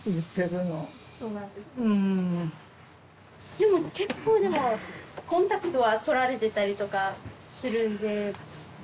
でも結構コンタクトは取られてたりとかするんで。